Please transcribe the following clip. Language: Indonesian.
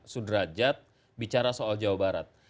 sudrajat bicara soal jawa barat